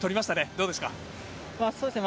どうですか？